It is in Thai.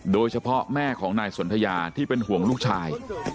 แม่ของนายสนทยาที่เป็นห่วงลูกชาย